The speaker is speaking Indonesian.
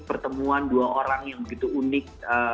pertemuan dua orang yang begitu unik